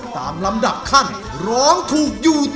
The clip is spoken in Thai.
ตามลำดับขั้นร้องถูกอยู่